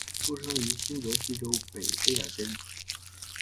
出生于新泽西州北卑尔根。